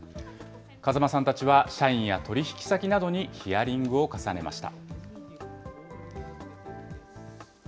風間さんたちは、社員や取引先などにヒアリングを重ねました。